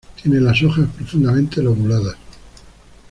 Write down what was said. Tiene las hojas profundamente lobuladas.